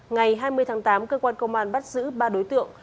ngày hai mươi tháng tám cơ quan công an bắt giữ ba đối tượng